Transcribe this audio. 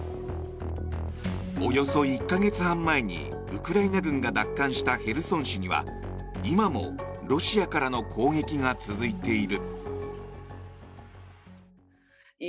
およそ１か月半前にウクライナ軍が奪還したヘルソン市には今もロシアからの攻撃が続いている。